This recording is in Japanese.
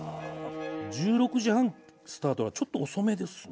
１６時半スタートはちょっと遅めですね。